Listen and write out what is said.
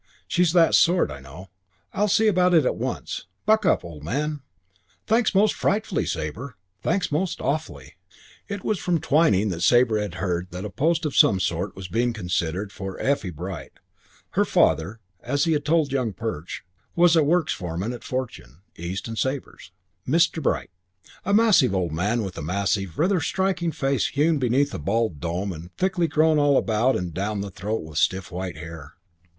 She's that sort, I know. I'll see about it at once. Buck up, old man." "Thanks most frightfully, Sabre. Thanks most awfully." IX It was from Twyning that Sabre had heard that a post of some sort was being considered for Effie Bright. Her father, as he had told young Perch, was works' foreman at Fortune, East and Sabre's. "Mr. Bright." A massive old man with a massive, rather striking face hewn beneath a bald dome and thickly grown all about and down the throat with stiff white hair.